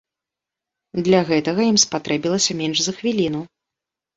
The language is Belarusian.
Для гэтага ім спатрэбілася менш за хвіліну.